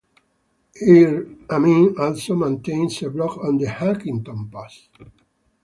Ir Amim also maintains a blog on the Huffington Post.